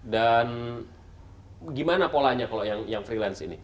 dan gimana polanya kalau yang freelance ini